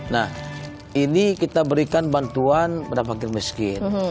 nah ini kita berikan bantuan pada fakir miskin